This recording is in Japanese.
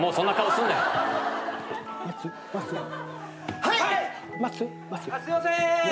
・すいませーん！